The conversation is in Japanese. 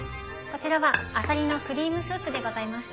こちらはあさりのクリームスープでございます。